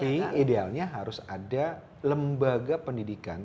tapi idealnya harus ada lembaga pendidikan